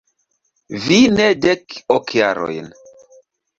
Vi ne dek ok jarojn.